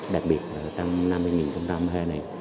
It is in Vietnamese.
đặc biệt trong năm hai nghìn hai mươi này